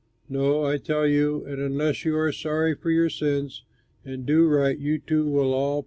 No, I tell you; and unless you are sorry for your sins and do right, you too will all perish."